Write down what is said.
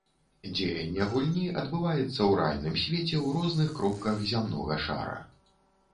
Дзеянне гульні адбываецца ў рэальным свеце ў розных кропках зямнога шара.